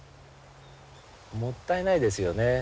もったいないですよね。